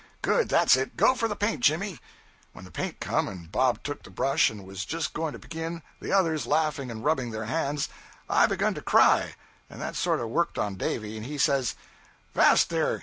'Good, that 's it. Go for the paint, Jimmy.' When the paint come, and Bob took the brush and was just going to begin, the others laughing and rubbing their hands, I begun to cry, and that sort of worked on Davy, and he says ''Vast there!